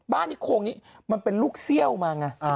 นิโครงนี้มันเป็นลูกเซี่ยวมาไง